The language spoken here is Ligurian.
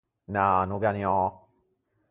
Na, no gh’aniò.